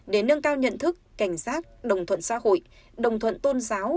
để nâng cao nhận thức cảnh giác đồng thuận xã hội đồng thuận tôn giáo